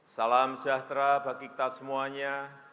salam sejahtera bagi kita semuanya